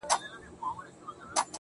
زه د لاسونو د دعا په حافظه کي نه يم